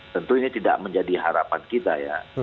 tentu ini tidak menjadi harapan kita ya